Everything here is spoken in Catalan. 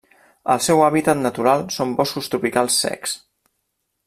El seu hàbitat natural són boscos tropicals secs.